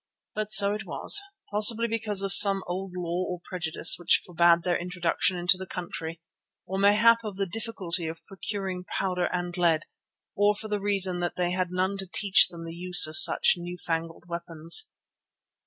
But so it was, possibly because of some old law or prejudice which forbade their introduction into the country, or mayhap of the difficulty of procuring powder and lead, or for the reason that they had none to teach them the use of such new fangled weapons.